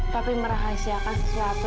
papi merahasiakan sesuatu